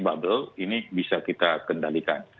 bubble ini bisa kita kendalikan